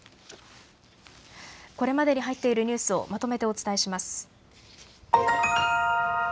これまでに入っているニュースをまとめてお伝えします。